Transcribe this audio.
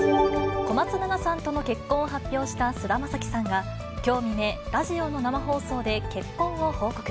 小松菜奈さんとの結婚を発表した菅田将暉さんが、きょう未明、ラジオの生放送で結婚を報告。